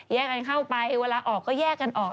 แยกกันเข้าไปเวลาออกก็แยกกันออก